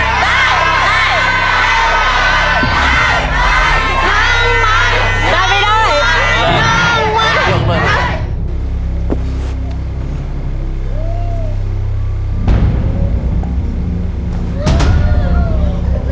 ทำไมทำไมทำไมทำไม